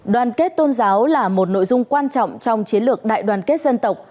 đoàn kết tôn giáo là một nội dung quan trọng trong chiến lược đại đoàn kết dân tộc